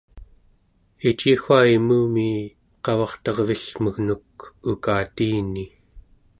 iciwa imumi qavartarvillmegnuk ukatiini